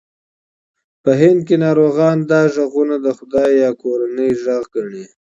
په هند کې ناروغان دا غږونه د خدای یا کورنۍ غږ ګڼي.